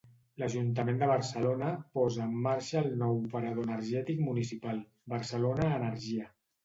L'Ajuntament de Barcelona posa en marxa el nou operador energètic municipal, Barcelona Energia.